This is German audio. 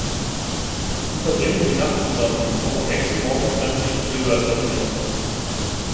Sie verbringen die Nacht zusammen, doch am nächsten Morgen trennt sich Gilbert von ihr.